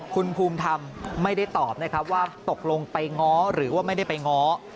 คุณภูมิธรรมไม่ได้ตอบนะครับว่าตกลงไปง้อหรือว่าไม่ได้ไปง้อ